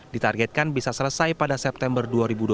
ditargetkan bisa selesai pada september dua ribu dua puluh